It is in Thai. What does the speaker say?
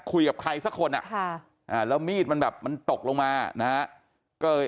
คุยกับใครสักคนน่ะแล้วมีดมันตกลงมานะครับ